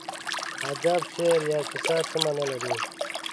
ادب، شعر یا کیسه څه مانا لري.